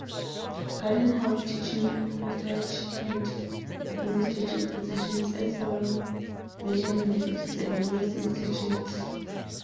Gardner held teaching, research, and administrative positions at several major universities and various institutes.